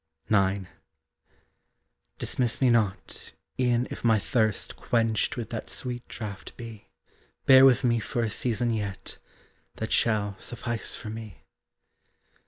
IX. Dismiss me not, e'en if my thirst Quenched with that sweet draught be! Bear with me for a season yet, That shall suffice for me.